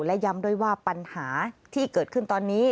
และย้ำด้วยว่าปัญหาที่เกิดขึ้นตอนนี้